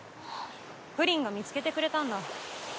ぷりんが見つけてくれたんだ。